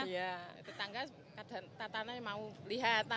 iya tetangga tatananya mau lihat